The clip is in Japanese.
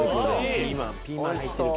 ピーマン入ってる系。